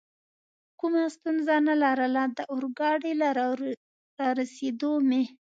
کومه ستونزه نه لرله، د اورګاډي له رارسېدو مې.